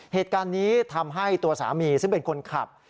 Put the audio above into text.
เหตุการณ์นี้ทำให้ตัวสามีซึ่งเป็นคนขับ